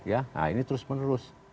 nah ini terus menerus